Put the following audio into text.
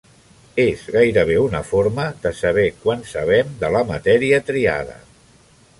És gairebé una forma de saber quant sabem de la matèria triada.